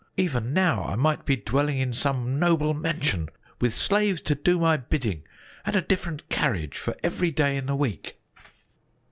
Even now I might be dwelling in some noble mansion with slaves to do my bidding and a different carriage for every day in the week!"